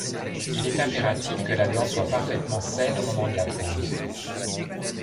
Il est impératif que la dent soit parfaitement saine au moment de la pose.